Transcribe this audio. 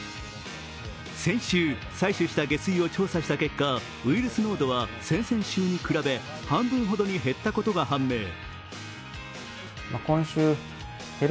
先週、採取した下水を調査した結果ウイルス濃度は先々週に比べ半分ほどに減ったことが判明。